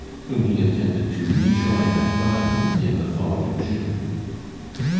whom he intended to rejoin at Baden in the following June.